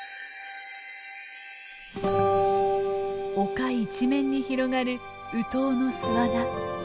丘一面に広がるウトウの巣穴。